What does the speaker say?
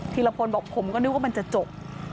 ทีละพลบอกผมก็นึกว่ามันจะจบ